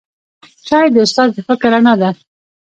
چای د استاد د فکر رڼا ده